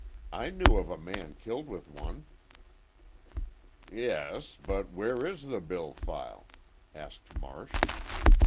"I knew of a man killed with one." "Yes, but where is the bill file?" asked Marsh.